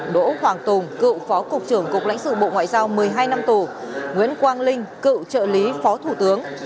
đỗ hoàng tùng cựu phó cục trưởng cục lãnh sự bộ ngoại giao một mươi hai năm tù nguyễn quang linh cựu trợ lý phó thủ tướng